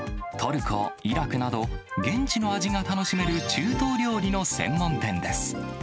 トルコ、イラクなど、現地の味が楽しめる中等料理の専門店です。